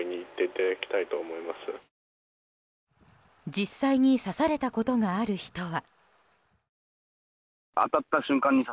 実際に刺されたことがある人は。